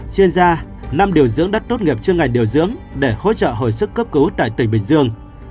chuyên gia năm điều dưỡng đất tốt nghiệp chuyên ngành điều dưỡng để hỗ trợ hồi sức cấp cứu tại tỉnh bình dương